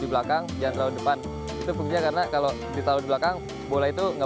belakang jangan terlalu depan itu kuncinya karena kalau di terlalu belakang bola itu nggak